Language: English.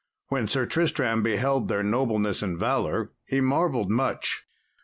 When Sir Tristram beheld their nobleness and valour, he marvelled much.